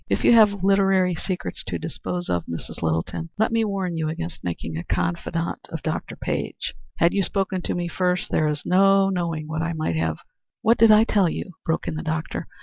"If you have literary secrets to dispose of, Mrs. Littleton, let me warn you against making a confidant of Dr. Page. Had you spoken to me first, there is no knowing what I might have " "What did I tell you?" broke in the doctor.